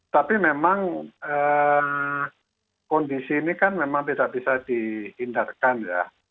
tapi memang kondisi ini kan memang tidak bisa dihindarkan ya